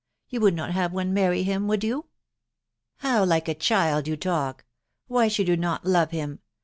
yea would not have one many him, would yew ? H ," How like a child ytw talk! .... Why should you not lane him?